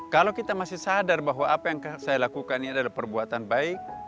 kalau kita masih sadar bahwa apa yang saya lakukan ini adalah perbuatan baik